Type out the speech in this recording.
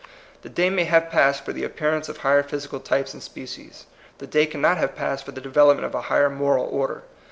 The day may have passed for the appearance of higher physi cal typeB and species. The day cannot have passed for the development of a higher moral order.